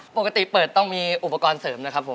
ปกติเปิดต้องมีอุปกรณ์เสริมนะครับผม